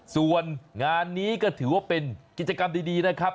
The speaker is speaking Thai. ส่วนงานนี้ก็ถือว่าเป็นกิจกรรมดีนะครับ